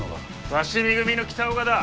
鷲見組の北岡だ！